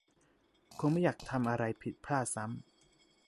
คงไม่อยากทำอะไรผิดพลาดซ้ำ